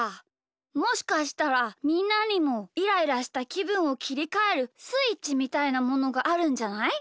もしかしたらみんなにもイライラしたきぶんをきりかえるスイッチみたいなものがあるんじゃない？